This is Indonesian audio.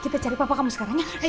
kita cari papa kamu sekarang